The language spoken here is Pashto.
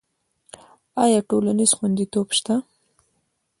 آیا ټولنیز خوندیتوب شته؟